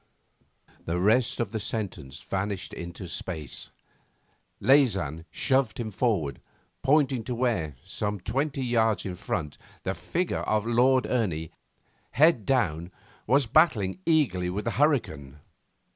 The rest of the sentence vanished into space. Leysin shoved him forward, pointing to where, some twenty yards in front, the figure of Lord Ernie, head down, was battling eagerly with the hurricane.